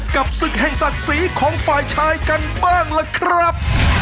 กับศึกแห่งศักดิ์ศรีของฝ่ายชายกันบ้างล่ะครับ